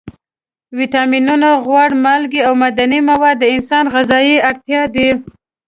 ویټامینونه، غوړ، مالګې او معدني مواد د انسان غذایي اړتیا ده.